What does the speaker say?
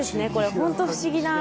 本当不思議な。